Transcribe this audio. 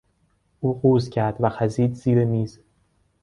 او قوز کرد و خزید زیر میز.